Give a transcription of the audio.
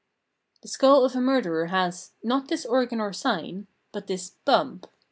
The skull of a murderer has — not this organ or sign — but this " bump.